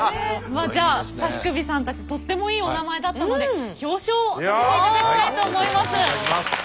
じゃあ指首さんたちとってもいいお名前だったので表彰をさせていただきたいと思います。